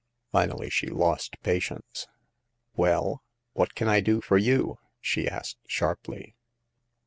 Finally she lost patience. Well, what can I do for you ?she asked, sharply.